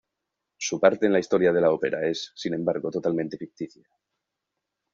Su parte en la historia de la ópera es, sin embargo, totalmente ficticia.